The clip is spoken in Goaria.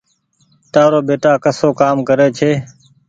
تآرو ٻيٽآ ڪسو ڪآم ڪري ڇي۔